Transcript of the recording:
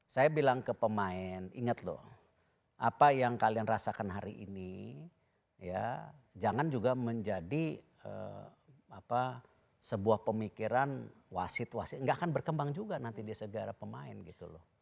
saya bilang ke pemain ingat loh apa yang kalian rasakan hari ini ya jangan juga menjadi sebuah pemikiran wasit wasit nggak akan berkembang juga nanti di segara pemain gitu loh